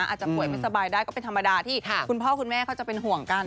อาจจะป่วยไม่สบายได้ก็เป็นธรรมดาที่คุณพ่อคุณแม่เขาจะเป็นห่วงกัน